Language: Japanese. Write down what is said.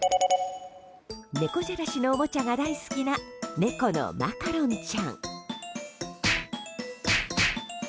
猫じゃらしのおもちゃが大好きな猫のまかろんちゃん。